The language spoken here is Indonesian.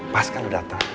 pas kan lo dateng